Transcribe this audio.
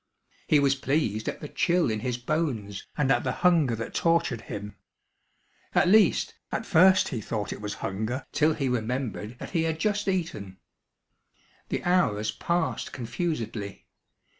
He was pleased at the chill in his bones and at the hunger that tortured him. At least, at first he thought it was hunger till he remembered that he had just eaten. The hours passed confusedly.